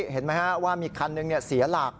เห็นไหมฮะว่ามีคันหนึ่งเสียหลัก